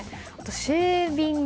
シェービング。